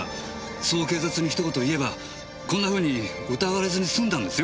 そう警察に一言言えばこんなふうに疑われずにすんだんですよ。